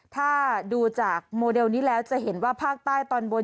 ถ้าดูจากโมเดลนี้แล้วจะเห็นว่าภาคใต้ตอนบน